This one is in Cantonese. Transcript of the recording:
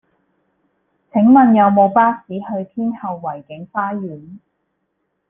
請問有無巴士去天后維景花園